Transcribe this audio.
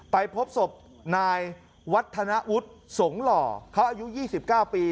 ไปพบศพนายวัฒนวุฒิสงหล่อเขาอายุยี่สิบเก้าปี